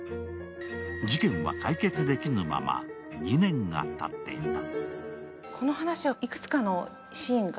事件は解決できぬまま２年がたっていた。